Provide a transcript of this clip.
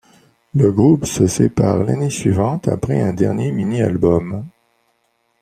Le groupe se sépare l'année suivante après un dernier mini-album.